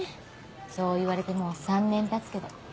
そう言われてもう３年たつけど。